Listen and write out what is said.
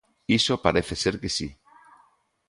Iso parece ser que si.